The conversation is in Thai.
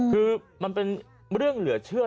คือมันเป็นเรื่องเหลือเชื่อ